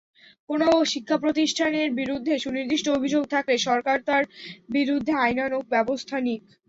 কোনো শিক্ষাপ্রতিষ্ঠানের বিরুদ্ধে সুনির্দিষ্ট অভিযোগ থাকলে সরকার তার বিরুদ্ধে আইনানুগ ব্যবস্থা নিক।